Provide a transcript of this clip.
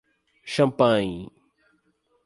Champanhe!